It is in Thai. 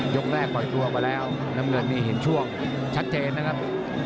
แรกปล่อยตัวมาแล้วน้ำเงินนี่เห็นช่วงชัดเจนนะครับ